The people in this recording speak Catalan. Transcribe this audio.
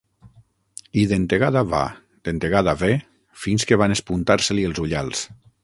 I dentegada va, dentegada ve, fins que van espuntar-se-li els ullals.